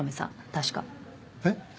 確かえっ？